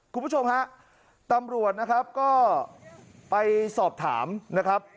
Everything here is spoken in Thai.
คุณผู้ชมฮะตำรวจนะครับก็ไปสอบถามนะครับ